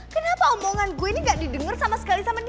kenapa omongan gue ini gak didengar sama sekali sama nih